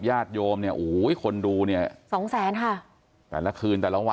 ญาติโยมเนี่ยโอ้โหคนดูเนี่ยสองแสนค่ะแต่ละคืนแต่ละวัน